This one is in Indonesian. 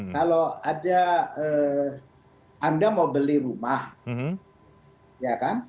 kalau ada anda mau beli rumah ya kan